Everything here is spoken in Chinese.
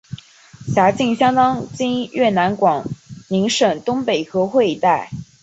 辖境相当今越南广宁省东北河桧一带。